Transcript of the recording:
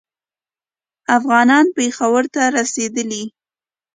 افغانان پېښور ته رسېدلي.